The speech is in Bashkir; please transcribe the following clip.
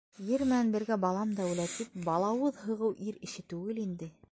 Ер менән бергә балам да үлә, тип балауыҙ һығыу ир эше түгел инде.